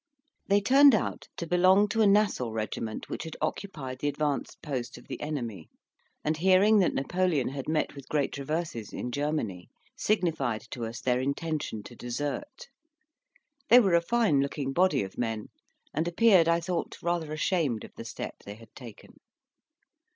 They turned out to belong to a Nassau regiment which had occupied the advanced post of the enemy, and, hearing that Napoleon had met with great reverses in Germany, signified to us their intention to desert. They were a fine looking body of men, and appeared, I thought, rather ashamed of the step they had taken.